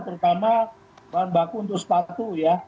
terutama bahan baku untuk sepatu ya